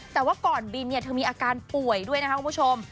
แต่ว่าก่อนบินเธอมีอาการป่วยด้วยนะคะคุณผู้ชม